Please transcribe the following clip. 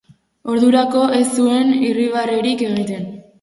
Ordurako ez zuen irribarrerik egiten.